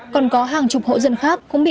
còn có hàng chục hộ dân khác cũng bị